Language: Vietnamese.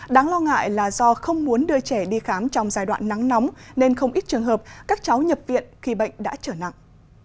đáng lo ngại là do không muốn đưa trẻ đi khám trong giai đoạn nắng nóng nên không ít trường hợp các cháu nhập viện khi bệnh đã trở nặng